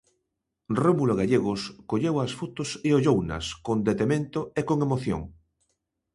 Rómulo Gallegos colleu as fotos e ollounas, con detemento e con emoción: